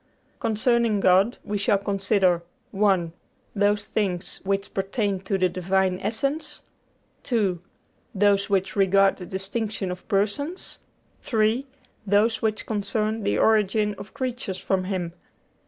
Concerning God, we shall consider (1) those things which pertain to the Divine Essence; (2) those which regard the distinction of persons; (3) those which concern the origin of creatures from Him.